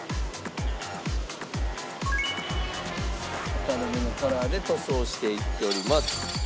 明るめのカラーで塗装していっております。